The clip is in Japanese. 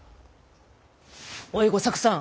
おい吾作さん。